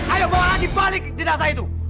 ayo bawa lagi balik jenazah itu